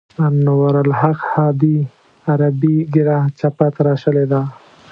انوارالحق احدي عربي ږیره چپه تراشلې ده.